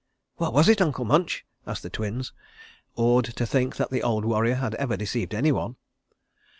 "What was it, Uncle Munch?" asked the Twins, awed to think that the old warrior had ever deceived anyone.